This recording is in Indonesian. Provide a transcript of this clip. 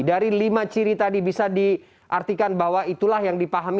dari lima ciri tadi bisa diartikan bahwa itulah yang dipahami